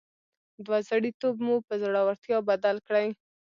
دوه زړي توب مو پر زړورتيا بدل کړئ.